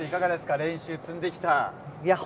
練習積んできた日々。